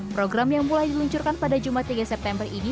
program yang mulai diluncurkan pada jumat tiga september ini